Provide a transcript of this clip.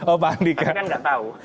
anak anaknya nggak tahu